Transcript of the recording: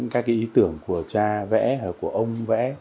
các ý tưởng của cha vẽ của ông vẽ